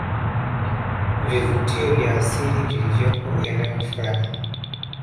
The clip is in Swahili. vivuvutio vya asili vilivyopo eneo fulani